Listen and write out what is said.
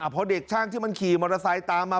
พอเด็กช่างที่มันขี่มอเตอร์ไซค์ตามมา